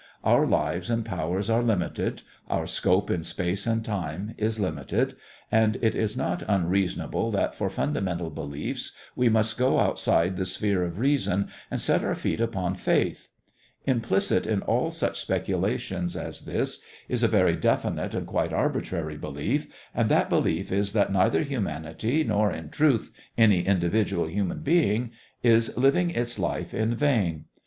Our lives and powers are limited, our scope in space and time is limited, and it is not unreasonable that for fundamental beliefs we must go outside the sphere of reason and set our feet upon faith. Implicit in all such speculations as this is a very definite and quite arbitrary belief, and that belief is that neither humanity nor in truth any individual human being is living its life in vain.